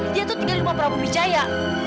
dia tuh tinggal di rumah prabu wijaya